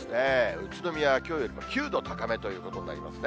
宇都宮はきょうより９度高めということになりますね。